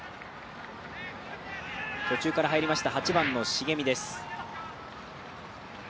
途中から入りました、８番の重見です。